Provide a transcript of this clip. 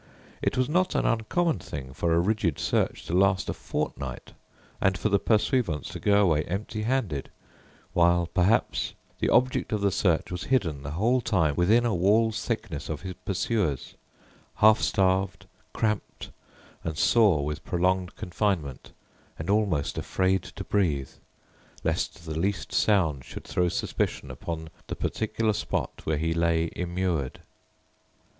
It was not an uncommon thing for a rigid search to last a fortnight and for the "pursuivants" to go away empty handed, while perhaps the object of the search was hidden the whole time within a wall's thickness of his pursuers, half starved, cramped and sore with prolonged confinement, and almost afraid to breathe, lest the least sound should throw suspicion upon the particular spot where he lay immured.